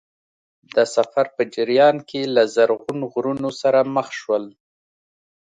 د سفر په جریان کې له زرغون غرونو سره مخ شول.